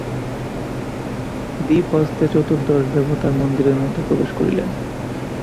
দীপহস্তে চতুর্দশ দেবতার মন্দিরের মধ্যে প্রবেশ করিলেন।